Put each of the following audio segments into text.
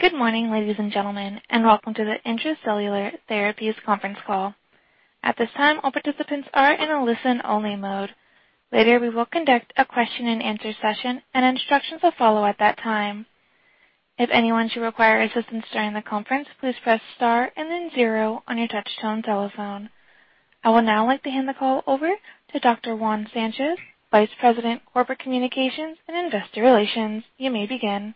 Good morning, ladies and gentlemen, and welcome to the Intra-Cellular Therapies conference call. At this time, all participants are in a listen-only mode. Later, we will conduct a question and answer session, and instructions will follow at that time. If anyone should require assistance during the conference, please press star and then zero on your touch-tone telephone. I would now like to hand the call over to Dr. Juan Sanchez, Vice President, Corporate Communications and Investor Relations. You may begin.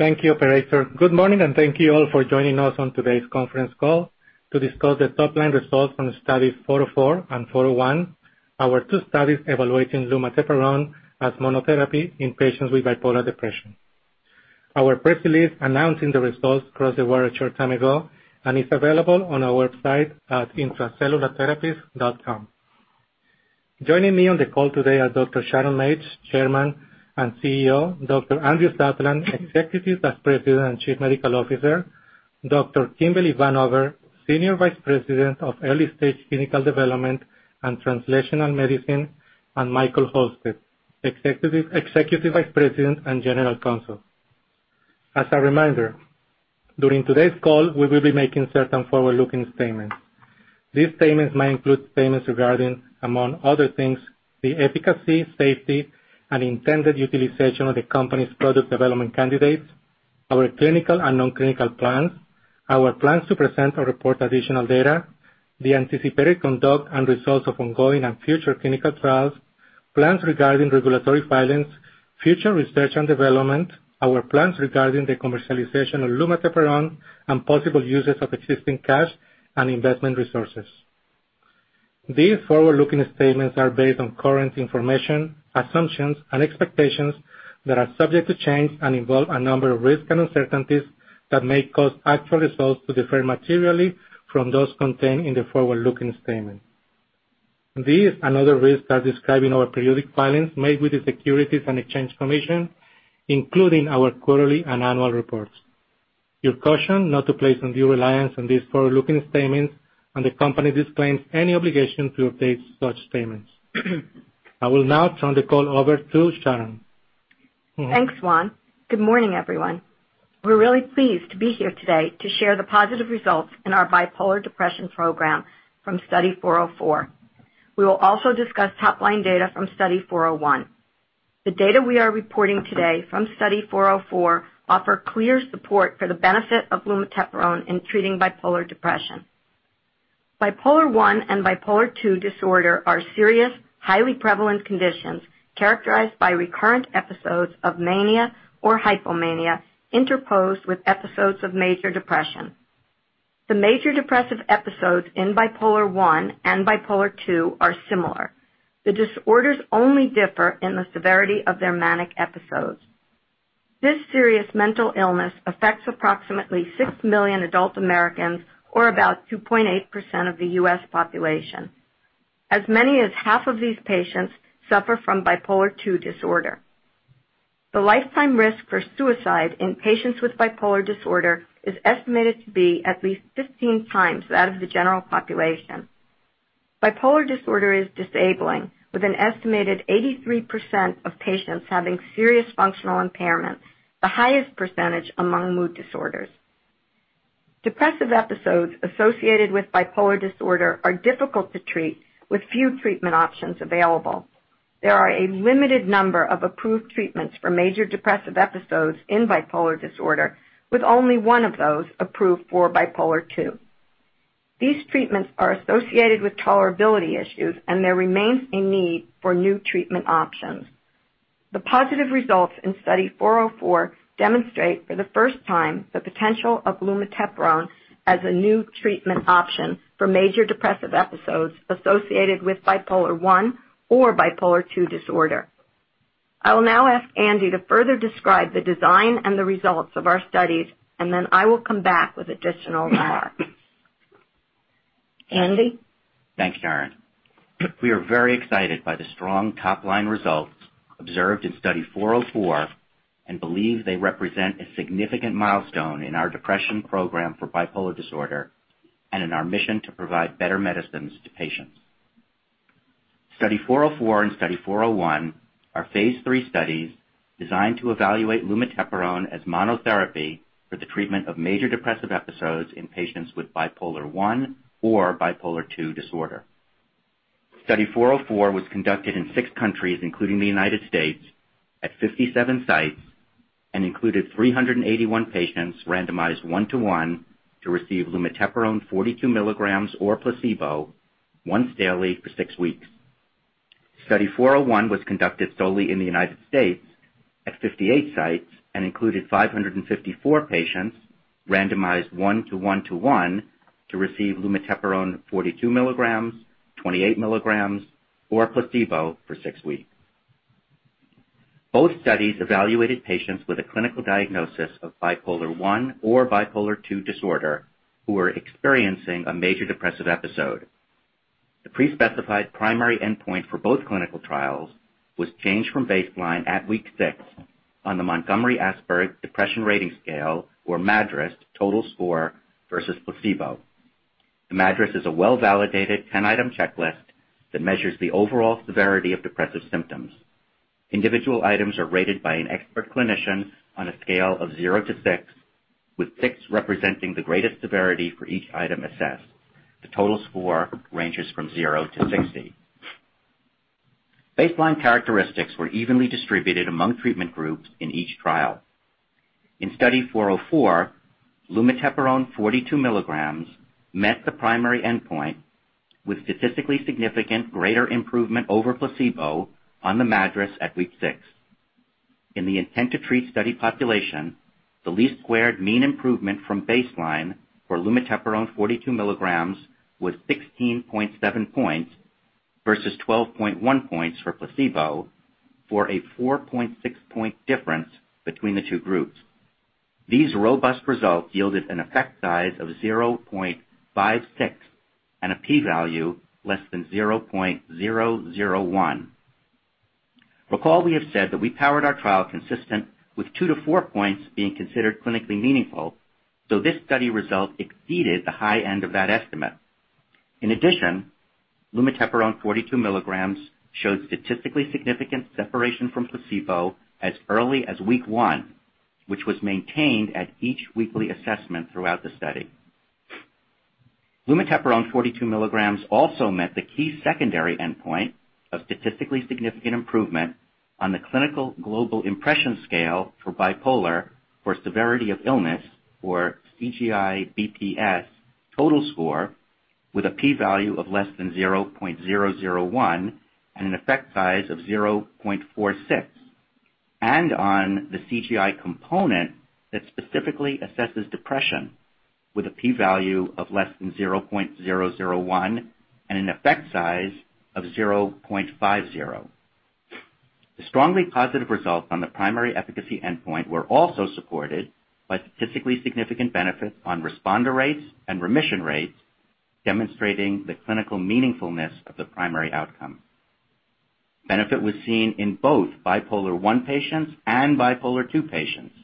Thank you, operator. Good morning, and thank you all for joining us on today's conference call to discuss the top-line results from the studies 404 and 401, our two studies evaluating lumateperone as monotherapy in patients with bipolar depression. Our press release announcing the results crossed the wire a short time ago and is available on our website at intracellulartherapies.com. Joining me on the call today are Dr. Sharon Mates, Chairman and CEO, Dr. Andrew Sutherland, Executive Vice President and Chief Medical Officer, Dr. Kimberly Vanover, Senior Vice President of Early-Stage Clinical Development and Translational Medicine, and Michael Halstead, Executive Vice President and General Counsel. As a reminder, during today's call, we will be making certain forward-looking statements. These statements may include statements regarding, among other things, the efficacy, safety, and intended utilization of the company's product development candidates, our clinical and non-clinical plans, our plans to present or report additional data, the anticipated conduct and results of ongoing and future clinical trials, plans regarding regulatory filings, future research and development, our plans regarding the commercialization of lumateperone, and possible uses of existing cash and investment resources. These forward-looking statements are based on current information, assumptions and expectations that are subject to change and involve a number of risks and uncertainties that may cause actual results to differ materially from those contained in the forward-looking statement. These and other risks are described in our periodic filings made with the Securities and Exchange Commission, including our quarterly and annual reports. You're cautioned not to place undue reliance on these forward-looking statements, and the company disclaims any obligation to update such statements. I will now turn the call over to Sharon. Thanks, Juan. Good morning, everyone. We're really pleased to be here today to share the positive results in our bipolar depression program from Study 404. We will also discuss top-line data from Study 401. The data we are reporting today from Study 404 offer clear support for the benefit of lumateperone in treating bipolar depression. Bipolar I and Bipolar II disorder are serious, highly prevalent conditions characterized by recurrent episodes of mania or hypomania interposed with episodes of major depression. The major depressive episodes in Bipolar I and Bipolar II are similar. The disorders only differ in the severity of their manic episodes. This serious mental illness affects approximately 6 million adult Americans or about 2.8% of the U.S. population. As many as half of these patients suffer from Bipolar II disorder. The lifetime risk for suicide in patients with bipolar disorder is estimated to be at least 15 times that of the general population. Bipolar disorder is disabling, with an estimated 83% of patients having serious functional impairment, the highest percentage among mood disorders. Depressive episodes associated with bipolar disorder are difficult to treat, with few treatment options available. There are a limited number of approved treatments for major depressive episodes in bipolar disorder, with only one of those approved for Bipolar II. These treatments are associated with tolerability issues. There remains a need for new treatment options. The positive results in Study 404 demonstrate for the first time the potential of lumateperone as a new treatment option for major depressive episodes associated with Bipolar I or Bipolar II disorder. I will now ask Andy to further describe the design and the results of our studies. Then I will come back with additional remarks. Andy? Thanks, Sharon. We are very excited by the strong top-line results observed in Study 404. Believe they represent a significant milestone in our depression program for bipolar disorder and in our mission to provide better medicines to patients. Study 404 and Study 401 are phase III studies designed to evaluate lumateperone as monotherapy for the treatment of major depressive episodes in patients with Bipolar I or Bipolar II disorder. Study 404 was conducted in six countries, including the U.S., at 57 sites and included 381 patients randomized 1-to-1 to receive lumateperone 42 milligrams or placebo once daily for six weeks. Study 401 was conducted solely in the U.S. at 58 sites and included 554 patients randomized 1-to-1-to-1 to receive lumateperone 42 milligrams, 28 milligrams, or placebo for six weeks. Both studies evaluated patients with a clinical diagnosis of Bipolar I or Bipolar II disorder who were experiencing a major depressive episode. The pre-specified primary endpoint for both clinical trials was changed from baseline at week 6 on the Montgomery-Åsberg Depression Rating Scale, or MADRS, total score versus placebo. The MADRS is a well-validated 10-item checklist that measures the overall severity of depressive symptoms. Individual items are rated by an expert clinician on a scale of 0 to 6, with 6 representing the greatest severity for each item assessed. The total score ranges from 0 to 60. Baseline characteristics were evenly distributed among treatment groups in each trial. In Study 404, lumateperone 42 milligrams met the primary endpoint with statistically significant greater improvement over placebo on the MADRS at week 6. In the intent-to-treat study population, the least squared mean improvement from baseline for lumateperone 42 milligrams was 16.7 points versus 12.1 points for placebo, for a 4.6 point difference between the 2 groups. These robust results yielded an effect size of 0.56 and a P value less than 0.001. Recall we have said that we powered our trial consistent with 2 to 4 points being considered clinically meaningful, so this study result exceeded the high end of that estimate. In addition, lumateperone 42 milligrams showed statistically significant separation from placebo as early as week 1, which was maintained at each weekly assessment throughout the study. lumateperone 42 milligrams also met the key secondary endpoint of statistically significant improvement on the Clinical Global Impression Scale for Bipolar for Severity of Illness, or CGI-BP-S total score, with a P value of less than 0.001 and an effect size of 0.46 and on the CGI component that specifically assesses depression with a P value of less than 0.001 and an effect size of 0.50. The strongly positive results on the primary efficacy endpoint were also supported by statistically significant benefits on responder rates and remission rates, demonstrating the clinical meaningfulness of the primary outcome. Benefit was seen in both Bipolar I patients and Bipolar II patients,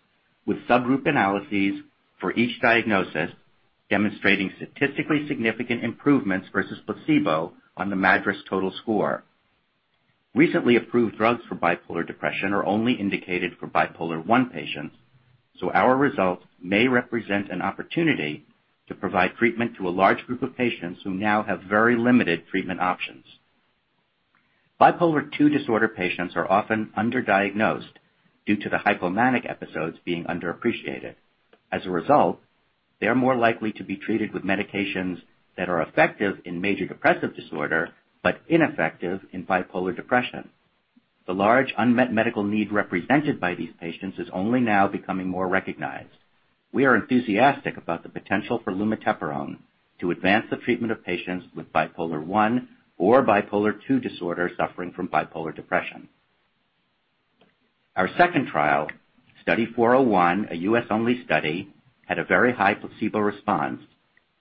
with subgroup analyses for each diagnosis demonstrating statistically significant improvements versus placebo on the MADRS total score. Recently approved drugs for bipolar depression are only indicated for Bipolar I patients, so our results may represent an opportunity to provide treatment to a large group of patients who now have very limited treatment options. Bipolar II disorder patients are often underdiagnosed due to the hypomanic episodes being underappreciated. As a result, they are more likely to be treated with medications that are effective in major depressive disorder but ineffective in bipolar depression. The large unmet medical need represented by these patients is only now becoming more recognized. We are enthusiastic about the potential for lumateperone to advance the treatment of patients with Bipolar I or Bipolar II disorder suffering from bipolar depression. Our second trial, Study 401, a U.S.-only study, had a very high placebo response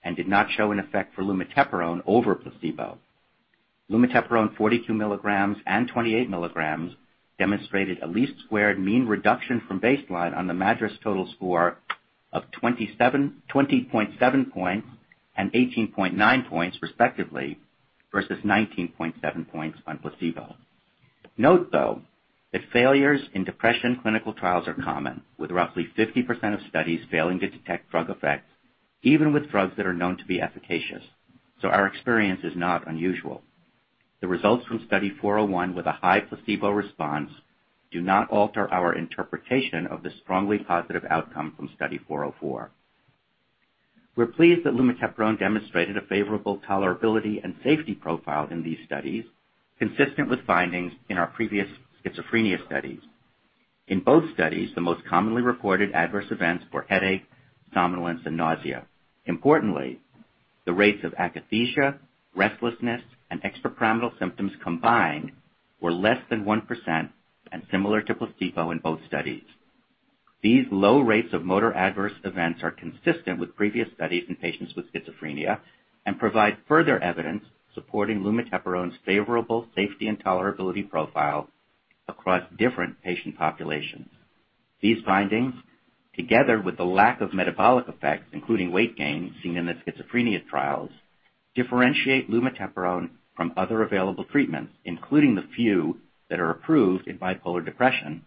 and did not show an effect for lumateperone over placebo. Lumateperone 42 milligrams and 28 milligrams demonstrated a least squared mean reduction from baseline on the MADRS total score of 20.7 points and 18.9 points, respectively, versus 19.7 points on placebo. Note, though, that failures in depression clinical trials are common, with roughly 50% of studies failing to detect drug effects, even with drugs that are known to be efficacious. Our experience is not unusual. The results from Study 401 with a high placebo response do not alter our interpretation of the strongly positive outcome from Study 404. We're pleased that lumateperone demonstrated a favorable tolerability and safety profile in these studies, consistent with findings in our previous schizophrenia studies. In both studies, the most commonly reported adverse events were headache, somnolence, and nausea. Importantly, the rates of akathisia, restlessness, and extrapyramidal symptoms combined were less than 1% and similar to placebo in both studies. These low rates of motor adverse events are consistent with previous studies in patients with schizophrenia and provide further evidence supporting lumateperone's favorable safety and tolerability profile across different patient populations. These findings, together with the lack of metabolic effects, including weight gain, seen in the schizophrenia trials, differentiate lumateperone from other available treatments, including the few that are approved in bipolar depression,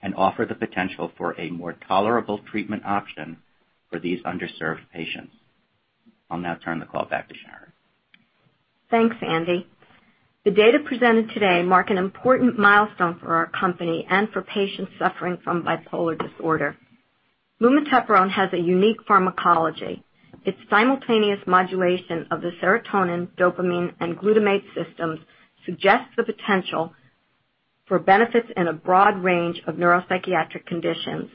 and offer the potential for a more tolerable treatment option for these underserved patients. I'll now turn the call back to Sharon. Thanks, Andy. The data presented today mark an important milestone for our company and for patients suffering from bipolar disorder. Lumateperone has a unique pharmacology. Its simultaneous modulation of the serotonin, dopamine, and glutamate systems suggests the potential for benefits in a broad range of neuropsychiatric conditions.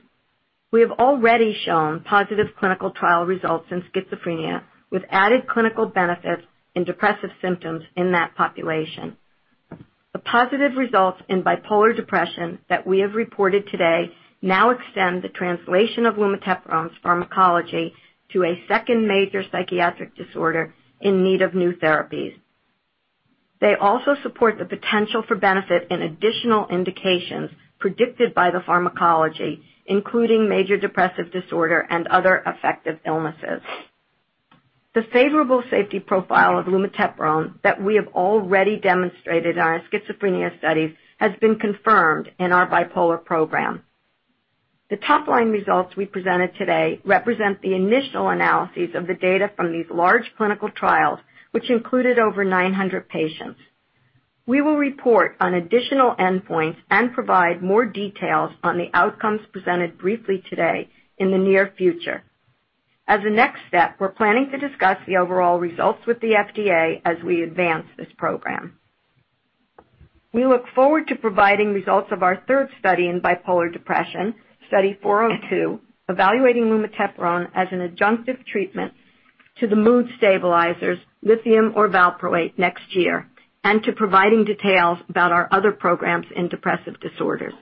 We have already shown positive clinical trial results in schizophrenia with added clinical benefits in depressive symptoms in that population. The positive results in bipolar depression that we have reported today now extend the translation of lumateperone's pharmacology to a second major psychiatric disorder in need of new therapies. They also support the potential for benefit in additional indications predicted by the pharmacology, including major depressive disorder and other affective illnesses. The favorable safety profile of lumateperone that we have already demonstrated in our schizophrenia studies has been confirmed in our bipolar program. The top-line results we presented today represent the initial analyses of the data from these large clinical trials, which included over 900 patients. We will report on additional endpoints and provide more details on the outcomes presented briefly today in the near future. As a next step, we're planning to discuss the overall results with the FDA as we advance this program. We look forward to providing results of our third study in bipolar depression, Study 402, evaluating lumateperone as an adjunctive treatment to the mood stabilizers lithium or valproate next year, and to providing details about our other programs in depressive disorders.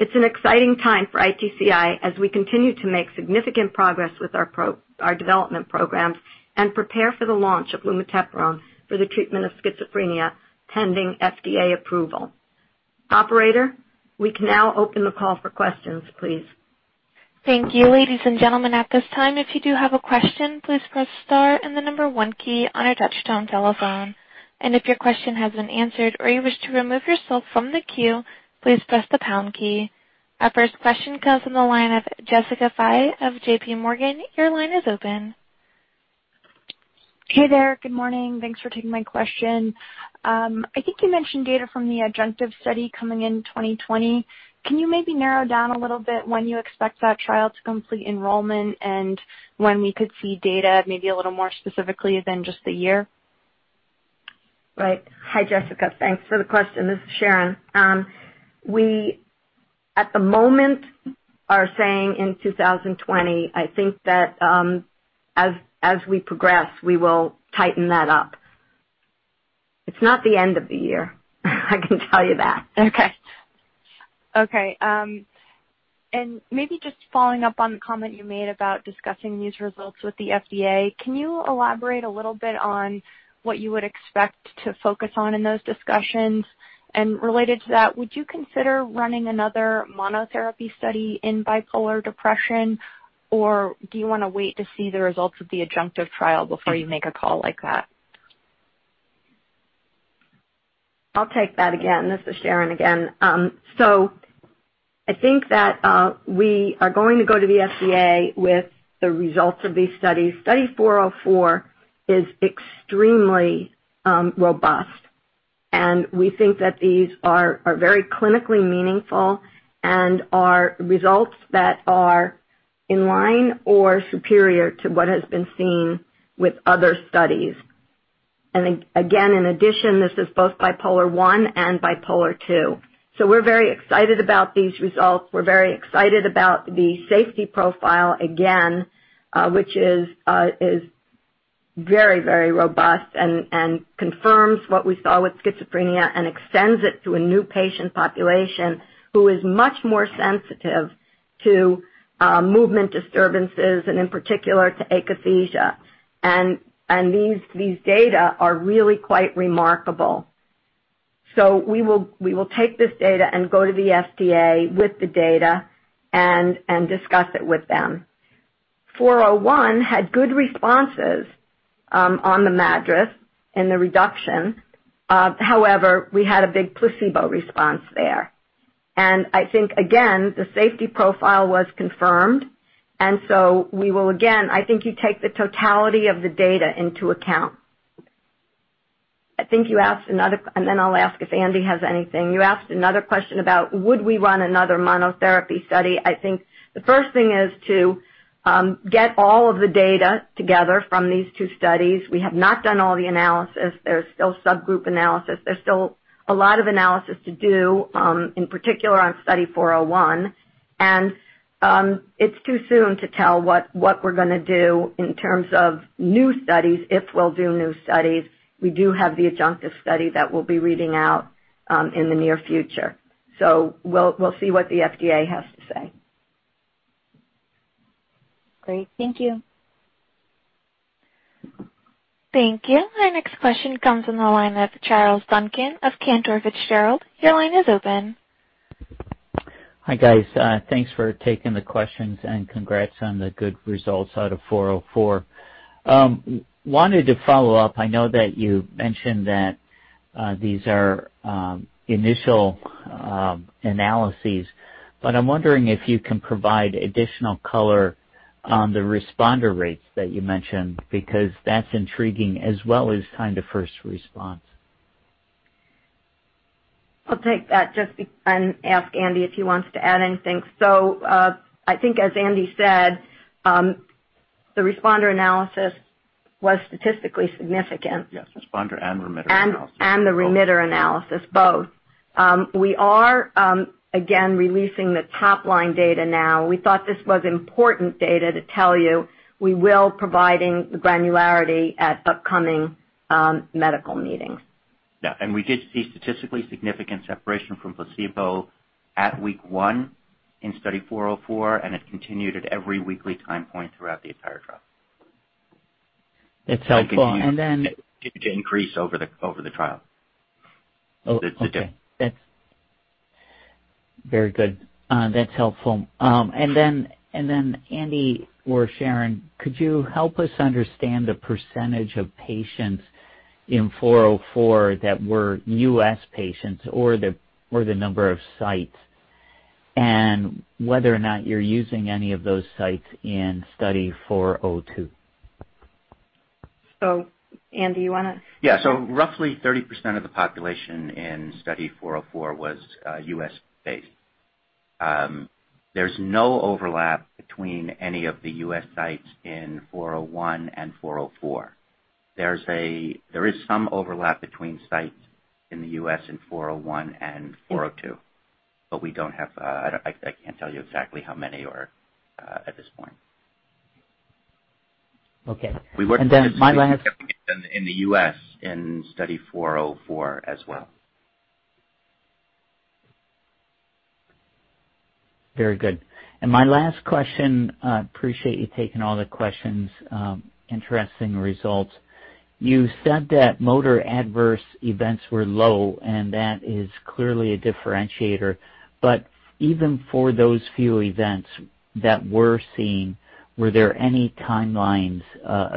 It's an exciting time for ITCI as we continue to make significant progress with our development programs and prepare for the launch of lumateperone for the treatment of schizophrenia, pending FDA approval. Operator, we can now open the call for questions, please. Thank you, ladies and gentlemen. At this time, if you do have a question, please press star and the number one key on your touchtone telephone. If your question has been answered or you wish to remove yourself from the queue, please press the pound key. Our first question comes from the line of Jessica Fye of J.P. Morgan. Your line is open. Hey there. Good morning. Thanks for taking my question. I think you mentioned data from the adjunctive study coming in 2020. Can you maybe narrow down a little bit when you expect that trial to complete enrollment and when we could see data maybe a little more specifically than just the year? Right. Hi, Jessica. Thanks for the question. This is Sharon. We, at the moment, are saying in 2020. I think that as we progress, we will tighten that up. It's not the end of the year, I can tell you that. Okay. Maybe just following up on the comment you made about discussing these results with the FDA, can you elaborate a little bit on what you would expect to focus on in those discussions? Related to that, would you consider running another monotherapy study in bipolar depression, or do you want to wait to see the results of the adjunctive trial before you make a call like that? I'll take that again. This is Sharon again. I think that we are going to go to the FDA with the results of these studies. Study 404 is extremely robust, and we think that these are very clinically meaningful and are results that are in line or superior to what has been seen with other studies. Again, in addition, this is both Bipolar I and Bipolar II. We're very excited about these results. We're very excited about the safety profile, again, which is very robust and confirms what we saw with schizophrenia and extends it to a new patient population who is much more sensitive to movement disturbances and, in particular, to akathisia. These data are really quite remarkable. We will take this data and go to the FDA with the data and discuss it with them. 401 had good responses on the MADRS in the reduction. However, we had a big placebo response there. I think, again, the safety profile was confirmed, so we will, again, I think you take the totality of the data into account. I think you asked another, then I'll ask if Andy has anything. You asked another question about would we run another monotherapy study. I think the first thing is to get all of the data together from these two studies. We have not done all the analysis. There's still subgroup analysis. There's still a lot of analysis to do, in particular on Study 401. It's too soon to tell what we're going to do in terms of new studies, if we'll do new studies. We do have the adjunctive study that we'll be reading out in the near future. We'll see what the FDA has to say. Great. Thank you. Thank you. Our next question comes from the line of Charles Duncan of Cantor Fitzgerald. Your line is open. Hi, guys. Thanks for taking the questions. Congrats on the good results out of 404. Wanted to follow up. I know that you mentioned that these are initial analyses. I'm wondering if you can provide additional color on the responder rates that you mentioned, because that's intriguing, as well as kind of first response. I'll take that just and ask Andy if he wants to add anything. I think as Andy said, the responder analysis was statistically significant. Yes, responder and remitter analysis. The remitter analysis, both. We are, again, releasing the top-line data now. We thought this was important data to tell you. We will providing the granularity at upcoming medical meetings. Yeah. We did see statistically significant separation from placebo at week one in Study 404, and it continued at every weekly time point throughout the entire trial. That's helpful. Continued to increase over the trial. Okay. That's very good. That's helpful. Andy or Sharon, could you help us understand the percentage of patients in 404 that were U.S. patients, or the number of sites, and whether or not you're using any of those sites in 402? Andy, you want to? Yeah. Roughly 30% of the population in Study 404 was U.S.-based. There's no overlap between any of the U.S. sites in 401 and 404. There is some overlap between sites in the U.S. in 401 and 402, but I can't tell you exactly how many at this point. Okay. We worked with the 17 in the U.S. in Study 404 as well. Very good. My last question, appreciate you taking all the questions. Interesting results. You said that motor adverse events were low, and that is clearly a differentiator. Even for those few events that were seen, were there any timelines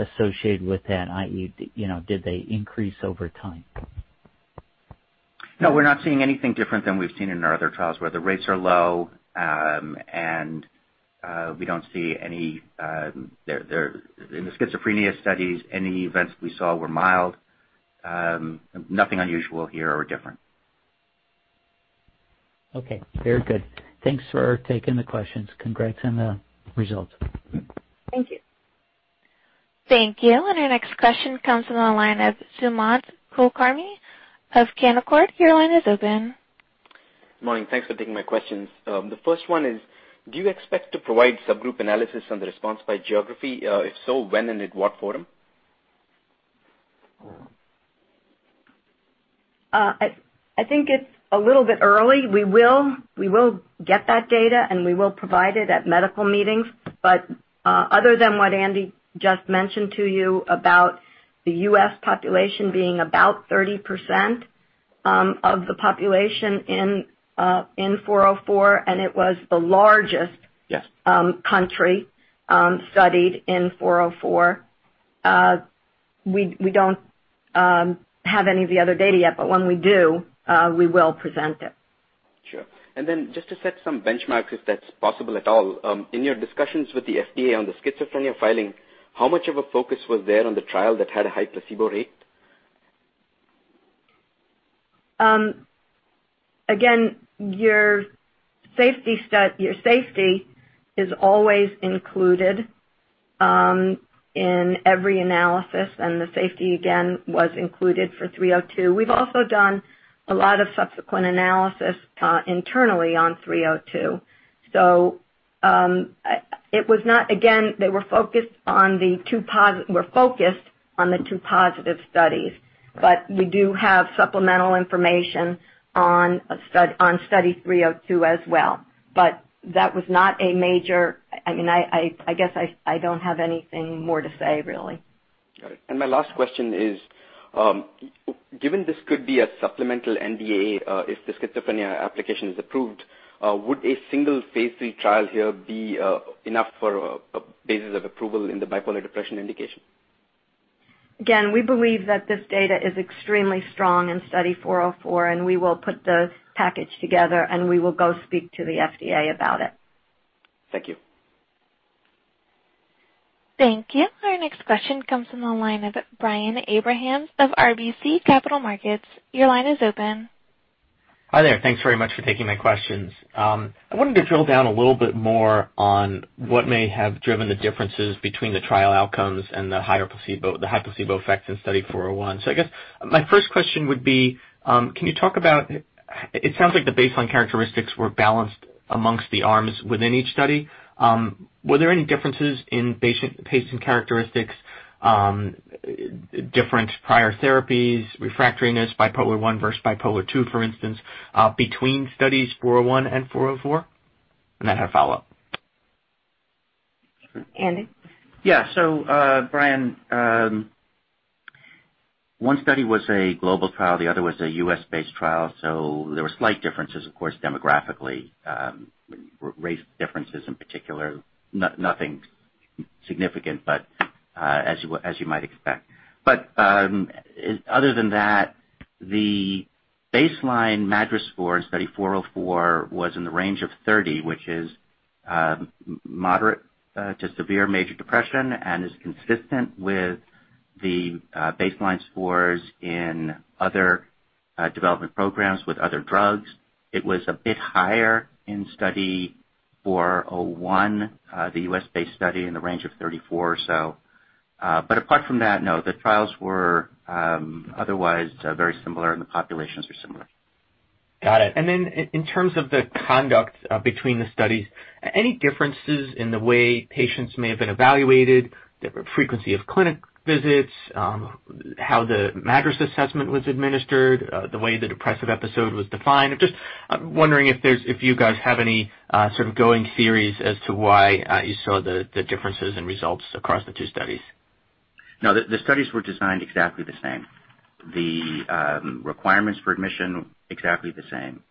associated with that? i.e., did they increase over time? No, we're not seeing anything different than we've seen in our other trials where the rates are low, and we don't see any In the schizophrenia studies, any events we saw were mild. Nothing unusual here or different. Okay, very good. Thanks for taking the questions. Congrats on the results. Thank you. Thank you. Our next question comes from the line of Sumant Kulkarni of Canaccord. Your line is open. Morning. Thanks for taking my questions. The first one is, do you expect to provide subgroup analysis on the response by geography? If so, when and at what forum? I think it's a little bit early. We will get that data, and we will provide it at medical meetings. Other than what Andy just mentioned to you about the U.S. population being about 30% of the population in 404, and it was the largest. Yes country studied in Study 404. We don't have any of the other data yet, when we do, we will present it. Sure. Just to set some benchmarks, if that's possible at all. In your discussions with the FDA on the schizophrenia filing, how much of a focus was there on the trial that had a high placebo rate? Again, your safety is always included in every analysis, the safety, again, was included for Study 302. We've also done a lot of subsequent analysis internally on Study 302. Again, they were focused on the two positive studies. We do have supplemental information on Study 302 as well. That was not I guess I don't have anything more to say, really. Got it. My last question is, given this could be a supplemental NDA if the schizophrenia application is approved, would a single Phase III trial here be enough for a basis of approval in the bipolar depression indication? We believe that this data is extremely strong in Study 404, and we will put the package together, and we will go speak to the FDA about it. Thank you. Thank you. Our next question comes from the line of Brian Abrahams of RBC Capital Markets. Your line is open. Hi there. Thanks very much for taking my questions. I wanted to drill down a little bit more on what may have driven the differences between the trial outcomes and the high placebo effects in Study 401. I guess my first question would be, it sounds like the baseline characteristics were balanced amongst the arms within each study. Were there any differences in patient characteristics, different prior therapies, refractoriness, bipolar I versus bipolar II, for instance, between Studies 401 and 404? I have follow-up. Andy? Yeah. Brian, one study was a global trial, the other was a U.S.-based trial. There were slight differences, of course, demographically. Race differences in particular, nothing significant, as you might expect. Other than that, the baseline MADRS score in Study 404 was in the range of 30, which is moderate to severe major depression and is consistent with the baseline scores in other development programs with other drugs. It was a bit higher in Study 401, the U.S.-based study, in the range of 34 or so. Apart from that, no. The trials were otherwise very similar, and the populations were similar. Got it. In terms of the conduct between the studies? Any differences in the way patients may have been evaluated, the frequency of clinic visits, how the MADRS assessment was administered, the way the depressive episode was defined? I'm wondering if you guys have any sort of going theories as to why you saw the differences in results across the two studies. No, the studies were designed exactly the same. The requirements for admission, exactly the same.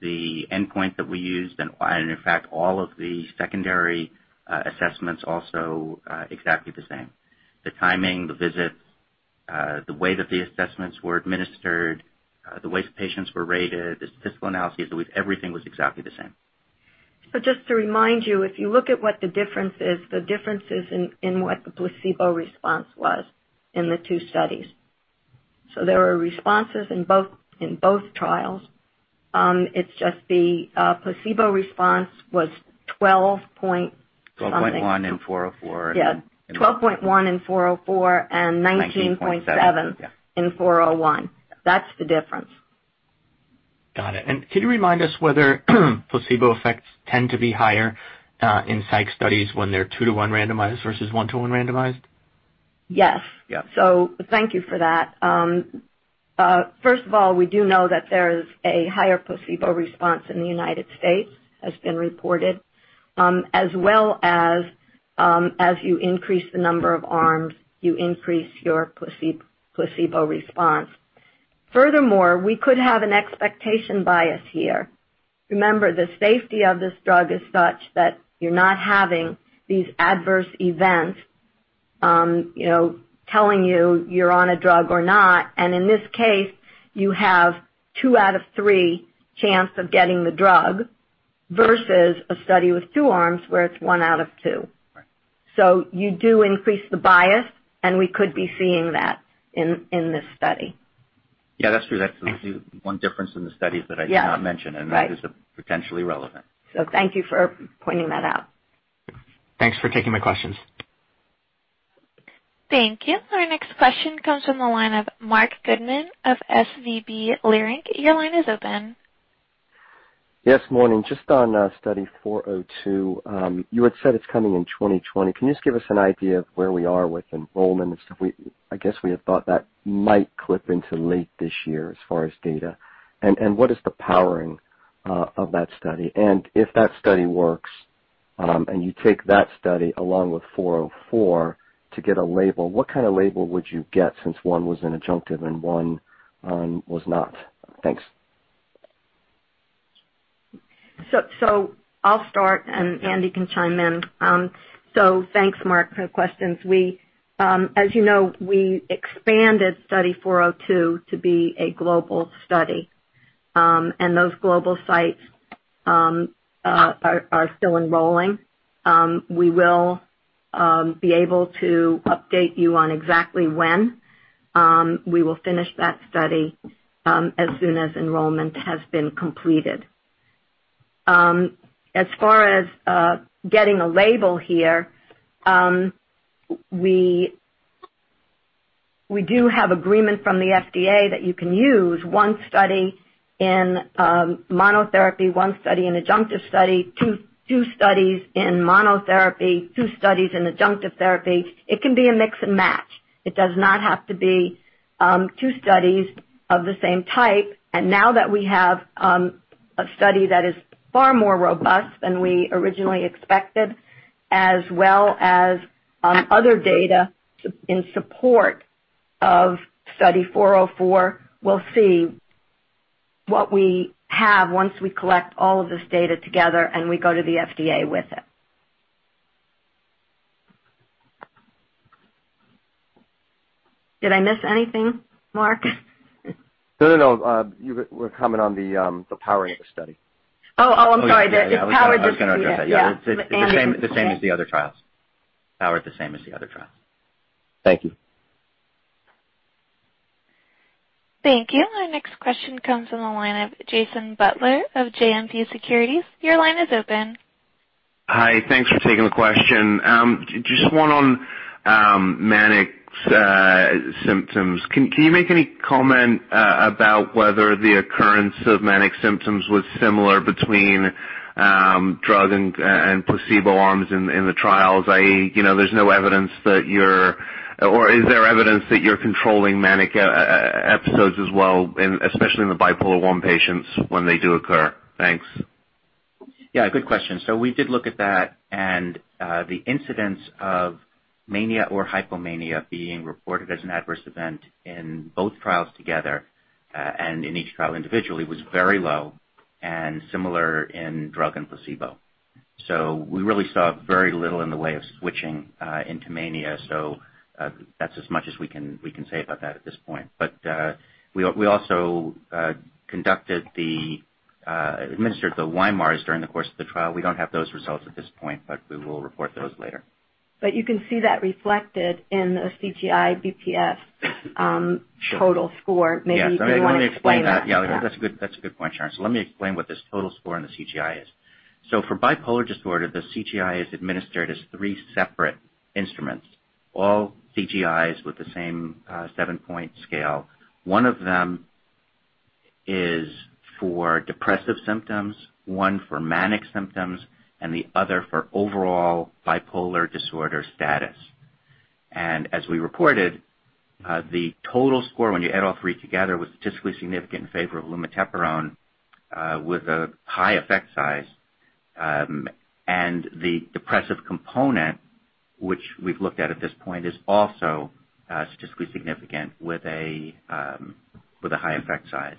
The endpoint that we used, and in fact, all of the secondary assessments also exactly the same. The timing, the visits, the way that the assessments were administered, the way patients were rated, the statistical analyses, everything was exactly the same. Just to remind you, if you look at what the difference is, the difference is in what the placebo response was in the two studies. There were responses in both trials. It's just the placebo response was 12 point something. 12.1 in 404. Yeah. 12.1 in 404 and 19.7. 19.7. Yeah in 401. That's the difference. Got it. Could you remind us whether placebo effects tend to be higher in psych studies when they're two to one randomized versus one to one randomized? Yes. Yeah. Thank you for that. First of all, we do know that there's a higher placebo response in the U.S., has been reported, as well as you increase the number of arms, you increase your placebo response. Furthermore, we could have an expectation bias here. Remember, the safety of this drug is such that you're not having these adverse events telling you you're on a drug or not. In this case, you have two out of three chance of getting the drug, versus a study with two arms where it's one out of two. Right. You do increase the bias, and we could be seeing that in this study. Yeah, that's true. That's one difference in the studies that I did not mention. Yeah. Right. That is potentially relevant. Thank you for pointing that out. Thanks for taking my questions. Thank you. Our next question comes from the line of Marc Goodman of Leerink Partners. Your line is open. Yes, morning. Just on Study 402. You had said it's coming in 2020. Can you just give us an idea of where we are with enrollment and stuff? I guess we had thought that might clip into late this year as far as data. What is the powering of that study? If that study works, and you take that study along with Study 404 to get a label, what kind of label would you get since one was an adjunctive and one was not? Thanks. I'll start and Andy can chime in. Thanks, Marc, for the questions. As you know, we expanded Study 402 to be a global study. Those global sites are still enrolling. We will be able to update you on exactly when we will finish that study as soon as enrollment has been completed. As far as getting a label here, we do have agreement from the FDA that you can use one study in monotherapy, one study in adjunctive study, two studies in monotherapy, two studies in adjunctive therapy. It can be a mix and match. It does not have to be two studies of the same type. Now that we have a study that is far more robust than we originally expected, as well as other data in support of Study 404, we'll see what we have once we collect all of this data together and we go to the FDA with it. Did I miss anything, Mark? No. You were comment on the powering of the study. Oh, I'm sorry. The power. I was going to address that, yeah. Yeah. Andy can say it. It's the same as the other trials. Thank you. Thank you. Our next question comes from the line of Jason Butler of JMP Securities. Your line is open. Hi. Thanks for taking the question. Just one on manic symptoms. Can you make any comment about whether the occurrence of manic symptoms was similar between drug and placebo arms in the trials, i.e., or is there evidence that you're controlling manic episodes as well, especially in the Bipolar I patients when they do occur? Thanks. Yeah, good question. We did look at that, and the incidence of mania or hypomania being reported as an adverse event in both trials together, and in each trial individually, was very low and similar in drug and placebo. We really saw very little in the way of switching into mania. That's as much as we can say about that at this point. We also administered the YMRS during the course of the trial. We don't have those results at this point, but we will report those later. You can see that reflected in the CGI-BP total score. Maybe you want to explain that. Yes. Let me explain that. Yeah, that's a good point, Sharon. Let me explain what this total score in the CGI is. For bipolar disorder, the CGI is administered as three separate instruments, all CGIs with the same seven-point scale. One of them is for depressive symptoms, one for manic symptoms, and the other for overall bipolar disorder status. As we reported, the total score, when you add all three together, was statistically significant in favor of lumateperone with a high effect size. The depressive component, which we've looked at at this point, is also statistically significant with a high effect size.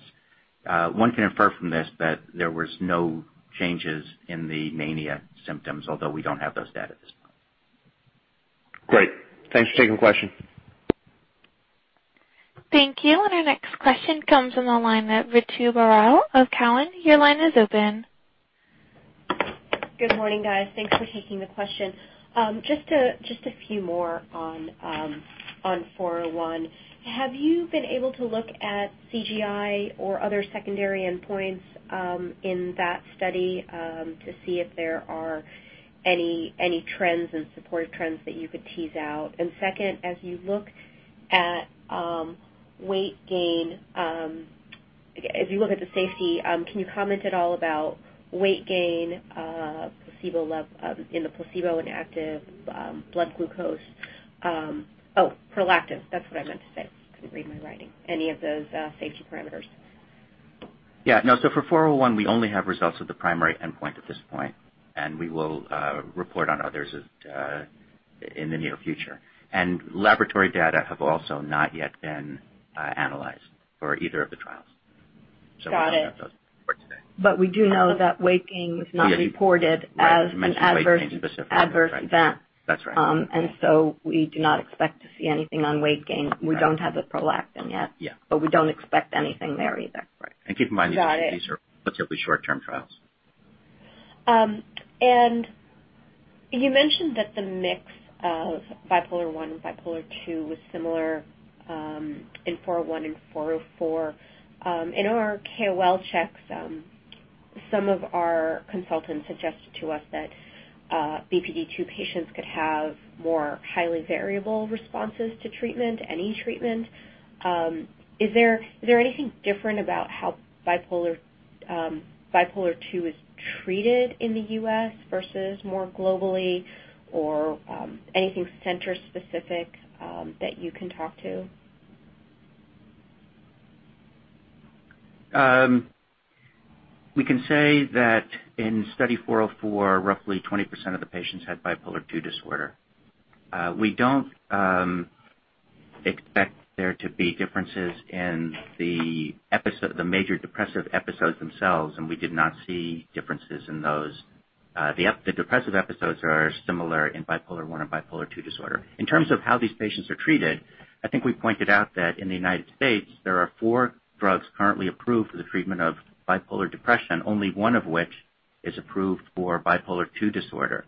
One can infer from this that there was no changes in the mania symptoms, although we don't have those data at this point. Great. Thanks for taking the question. Thank you. Our next question comes from the line of Ritu Baral of Cowen. Your line is open. Good morning, guys. Thanks for taking the question. Just a few more on 401. Have you been able to look at CGI or other secondary endpoints in that study to see if there are any trends and supportive trends that you could tease out? Second, as you look at weight gain, if you look at the safety, can you comment at all about weight gain in the placebo inactive blood glucose? Oh, prolactin. That's what I meant to say. Couldn't read my writing. Any of those safety parameters? Yeah, no. For 401, we only have results of the primary endpoint at this point, and we will report on others in the near future. Laboratory data have also not yet been analyzed for either of the trials. Got it. We don't have those for today. We do know that weight gain was not reported as an adverse event. That's right. We do not expect to see anything on weight gain. We don't have the prolactin yet. Yeah. We don't expect anything there either. Right. Keep in mind. Got it. These are relatively short-term trials. You mentioned that the mix of Bipolar I and Bipolar II was similar in Study 401 and Study 404. In our KOL checks, some of our consultants suggested to us that BP2 patients could have more highly variable responses to treatment, any treatment. Is there anything different about how Bipolar II is treated in the U.S. versus more globally or anything center specific that you can talk to? We can say that in Study 404, roughly 20% of the patients had Bipolar II disorder. We don't expect there to be differences in the major depressive episodes themselves, and we did not see differences in those. The depressive episodes are similar in Bipolar I and Bipolar II disorder. In terms of how these patients are treated, I think we pointed out that in the United States, there are four drugs currently approved for the treatment of bipolar depression, only one of which is approved for Bipolar II disorder.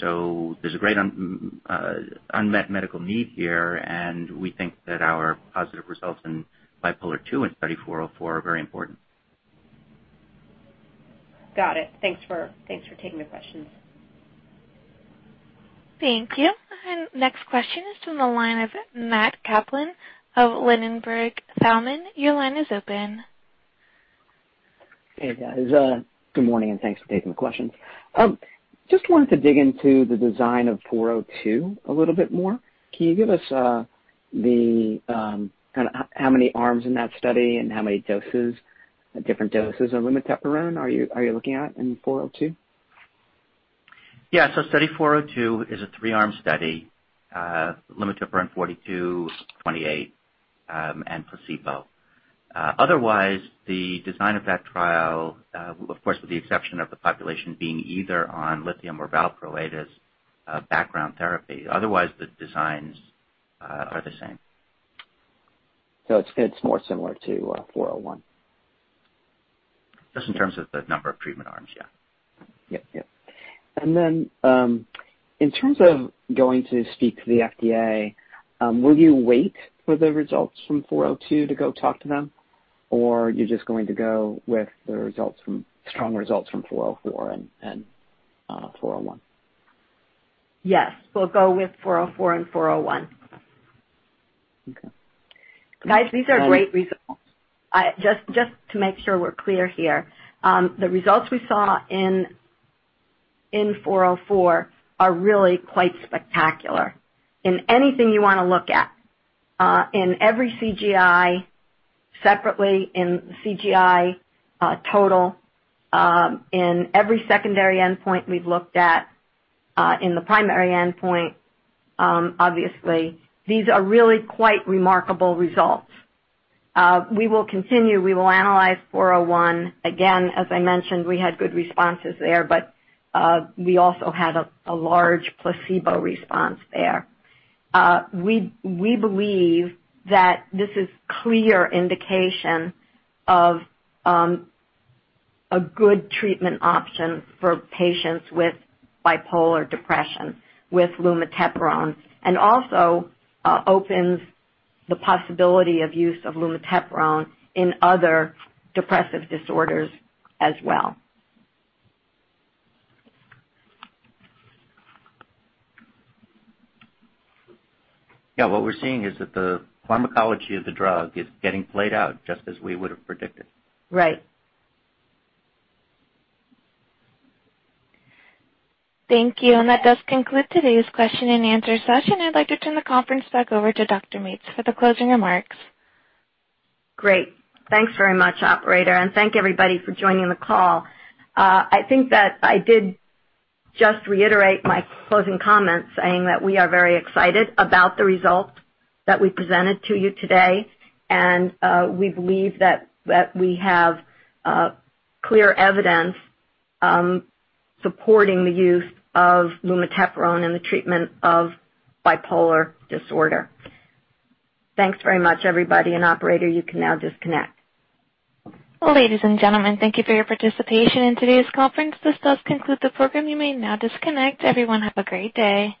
There's a great unmet medical need here, and we think that our positive results in Bipolar II in Study 404 are very important. Got it. Thanks for taking the questions. Thank you. Next question is from the line of Matthew Kaplan of Ladenburg Thalmann. Your line is open. Hey, guys. Good morning. Thanks for taking the questions. Just wanted to dig into the design of 402 a little bit more. Can you give us how many arms in that study and how many doses, different doses of lumateperone are you looking at in 402? Yeah. Study 402 is a three-arm study, lumateperone 42/28, and placebo. The design of that trial, of course, with the exception of the population being either on lithium or valproate as background therapy. The designs are the same. It's more similar to 401. Just in terms of the number of treatment arms, yeah. Yep. Then, in terms of going to speak to the FDA, will you wait for the results from 402 to go talk to them, or you're just going to go with the strong results from 404 and 401? Yes, we'll go with 404 and 401. Okay. Guys, these are great results. Just to make sure we're clear here, the results we saw in 404 are really quite spectacular. In anything you want to look at, in every CGI separately, in CGI total, in every secondary endpoint we've looked at, in the primary endpoint, obviously, these are really quite remarkable results. We will continue. We will analyze 401. Again, as I mentioned, we had good responses there, but we also had a large placebo response there. We believe that this is clear indication of a good treatment option for patients with Bipolar depression with lumateperone, and also opens the possibility of use of lumateperone in other depressive disorders as well. Yeah, what we're seeing is that the pharmacology of the drug is getting played out just as we would've predicted. Right. Thank you. That does conclude today's question and answer session. I'd like to turn the conference back over to Sharon Mates for the closing remarks. Great. Thanks very much, operator, and thank everybody for joining the call. I think that I did just reiterate my closing comments saying that we are very excited about the results that we presented to you today, and we believe that we have clear evidence supporting the use of lumateperone in the treatment of bipolar disorder. Thanks very much, everybody, and operator, you can now disconnect. Well, ladies and gentlemen, thank you for your participation in today's conference. This does conclude the program. You may now disconnect. Everyone, have a great day.